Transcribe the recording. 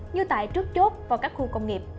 như tại trước chốt và các khu công nghiệp